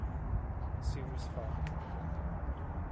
Serious Fun